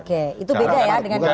oke itu beda ya dengan koalisinya